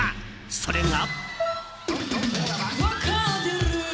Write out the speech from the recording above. それが。